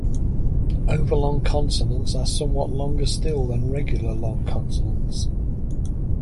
Overlong consonants are somewhat longer still than regular long consonants.